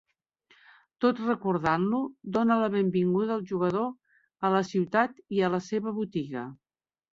Tot recordant-lo, dóna la benvinguda al jugador a la ciutat i a la seva botiga.